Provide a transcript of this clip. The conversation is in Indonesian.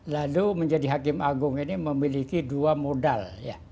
lalu menjadi hakim agung ini memiliki dua modal